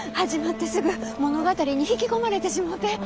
始まってすぐ物語に引き込まれてしもうて。